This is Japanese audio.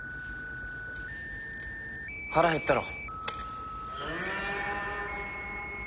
腹減ったろ。